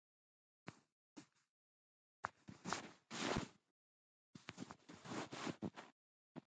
Wakchakunapis qillayniyuqkunapis llapanmi wañupakun.